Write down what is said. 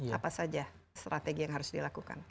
tapi saya ingin tahu apa yang harus dilakukan